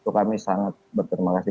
kami sangat berterima kasih